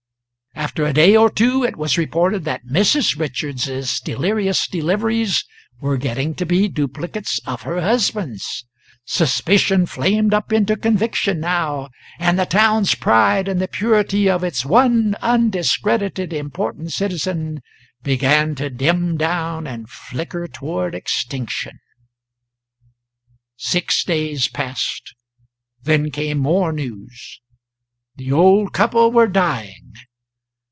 After a day or two it was reported that Mrs. Richards's delirious deliveries were getting to be duplicates of her husband's. Suspicion flamed up into conviction, now, and the town's pride in the purity of its one undiscredited important citizen began to dim down and flicker toward extinction. Six days passed, then came more news. The old couple were dying.